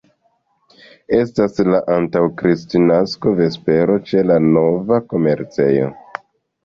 Estas la antaŭ-Kristnaska vespero ĉe la nova komercejo.